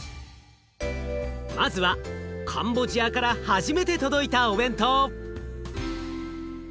まずはカンボジアから初めて届いたお弁当。